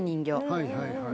はいはいはい。